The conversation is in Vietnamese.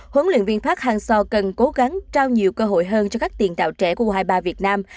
huấn luyện viên park hang seo cần cố gắng trao nhiều cơ hội hơn cho các tiền đạo trẻ của u hai mươi ba việt nam